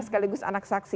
sekaligus anak saksi